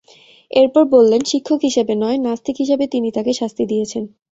এরপর বললেন, শিক্ষক হিসেবে নয়, নাস্তিক হিসেবে তিনি তাঁকে শাস্তি দিয়েছেন।